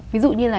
ví dụ như là